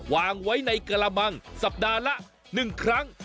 วางไว้ในกระมังสัปดาห์ละ๑ครั้ง